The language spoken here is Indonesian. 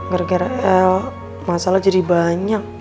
gara gara masalah jadi banyak